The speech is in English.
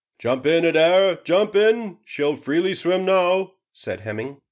"Jump in Adair jump in she'll freely swim now," said Hemming.